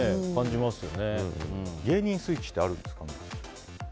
芸人スイッチってあるんですかね。